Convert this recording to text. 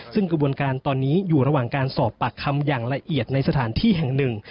ซึ่งกระบวนการตอนนี้อยู่ระหว่างการสอบปากคำอย่างละเอียดในสถานที่แห่งหนึ่ง